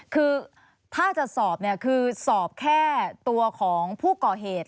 คือถ้าจะสอบเนี่ยคือสอบแค่ตัวของผู้ก่อเหตุ